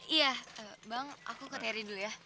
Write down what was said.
iya bang aku ke terry dulu ya